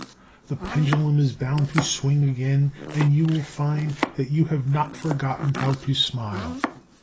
The pendulum is bound to swing again and you will find That you have not forgotten how to smile.